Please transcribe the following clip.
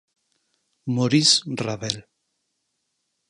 Maurice Ravel.